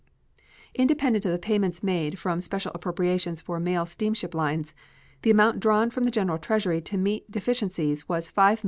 Independent of the payments made from special appropriations for mail steamship lines, the amount drawn from the General Treasury to meet deficiencies was $5,265,475.